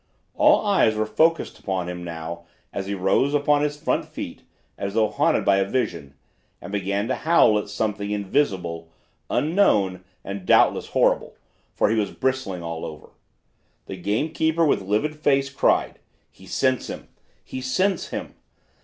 All eyes were focused upon him now as he rose on his front feet, as though haunted by a vision, and began to howl at something invisible, unknown, and doubtless horrible, for he was bristling all over. The gamekeeper with livid face cried: 'He scents him! He scents him!